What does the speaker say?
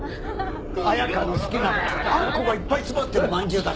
彩佳の好きなあんこがいっぱい詰まってるまんじゅうだ。